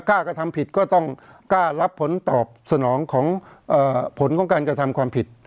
กระทำผิดก็ต้องกล้ารับผลตอบสนองของผลของการกระทำความผิด